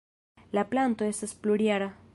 La planto estas plurjara.